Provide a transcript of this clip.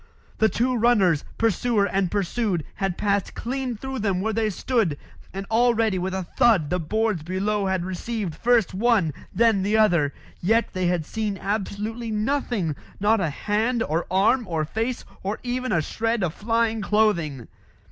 The two runners, pursuer and pursued, had passed clean through them where they stood, and already with a thud the boards below had received first one, then the other. Yet they had seen absolutely nothing not a hand, or arm, or face, or even a shred of flying clothing.